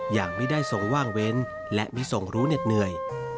อย่างไม่ได้ทรงว่างเว้นและไม่ส่งรู้เหน็ดเหนื่อย